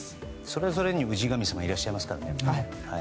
それぞれに氏神様がいらっしゃいますからね。